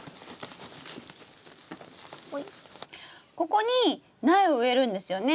ここに苗を植えるんですよね？